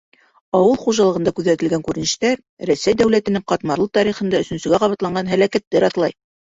Ауыл хужалығында күҙәтелгән күренештәр Рәсәй дәүләтенең ҡатмарлы тарихында өсөнсөгә ҡабатланған һәләкәтте раҫлай.